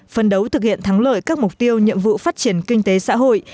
phân đấu thực hiện thắng lợi các mục tiêu nhiệm vụ phát triển kinh tế xã hội